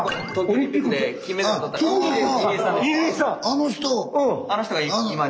あの人！